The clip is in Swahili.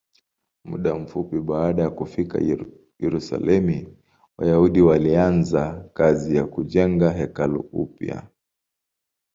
Muda mfupi baada ya kufika Yerusalemu, Wayahudi walianza kazi ya kujenga hekalu upya.